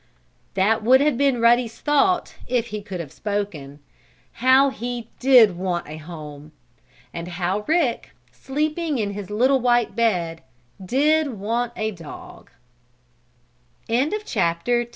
That would have been Ruddy's thought if he could have spoken. How he did want a home! And how Rick, sleeping in his little white bed, did want a dog! CHAPTER III RICK AND